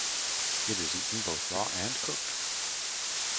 It is eaten both raw and cooked.